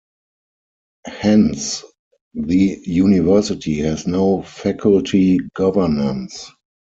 Hence the university has no faculty governance.